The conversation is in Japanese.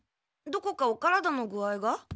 どこかお体の具合が？